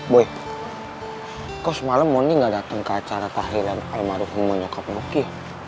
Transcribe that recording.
boy kok semalam mon ini gak dateng ke acara tahlilan almarhumnya nyokap moki